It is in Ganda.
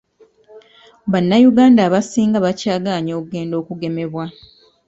Bannayuganda abasinga bakyagaanye okugenda okugemebwa.